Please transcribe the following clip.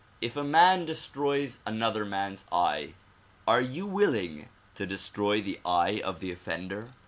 If a man destroys another man's eye are you willing to destroy the eye of the offender?